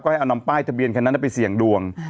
ให้เอานำป้ายทะเบียนคันนั้นไปเสี่ยงดวง